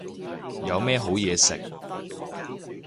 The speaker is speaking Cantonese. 有咩好嘢食